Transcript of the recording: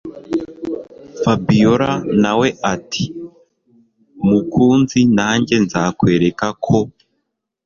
Fabiora nawe atimukunzi najye nzakwereka ko